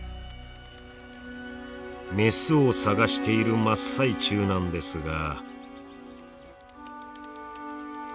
メスを探している真っ最中なんですが。